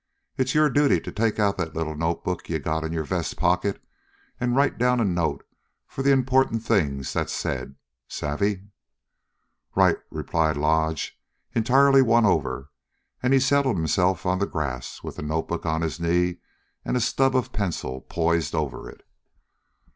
It's your duty to take out that little notebook you got in your vest pocket and write down a note for the important things that's said. Savvy?" "Right," replied Lodge, entirely won over, and he settled himself on the grass, with the notebook on his knee and a stub of a pencil poised over it.